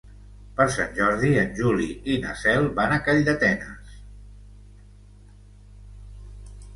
Per Sant Jordi en Juli i na Cel van a Calldetenes.